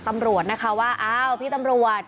ตำรวจนะคะว่าอ้าวพี่ตำรวจ